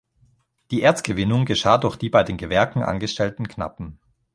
Die Erzgewinnung geschah durch die bei den Gewerken angestellten Knappen.